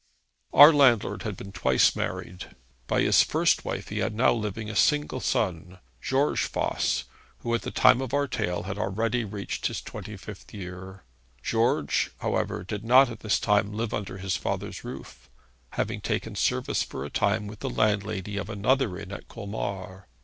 Our landlord had been twice married. By his first wife he had now living a single son, George Voss, who at the time of our tale had already reached his twenty fifth year. George, however, did not at this time live under his father's roof, having taken service for a time with the landlady of another inn at Colmar.